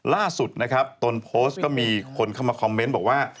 ล่าสุดนะครับตนโพสต์ก็มีคนเข้ามาคอมเมนต์บอกว่า